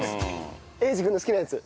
英二君の好きなやつ。